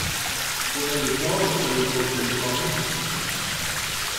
Combien de temps resterez-vous en Californie ?